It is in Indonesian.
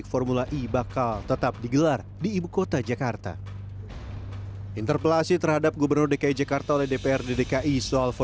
tidak ada hal yang sangat rusia dan tidak ada efek apa apa